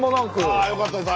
あよかったです。